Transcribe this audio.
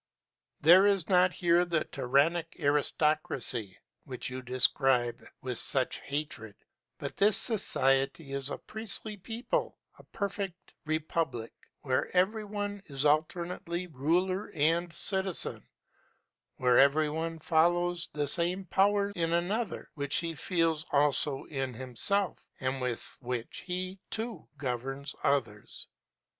There is not here the tyrannic aristocracy, which you describe with such hatred; but this society is a priestly people, a perfect republic, where every one is alternately ruler and citizen, where every one follows the same power in another which he feels also in himself, and with which he, too, governs others.